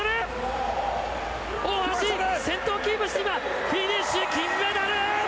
大橋、先頭をキープしてフィニッシュ、金メダル！